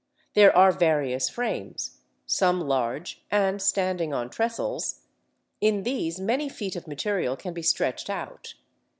There are various frames, some large and standing on trestles; in these many feet of material can be stretched out.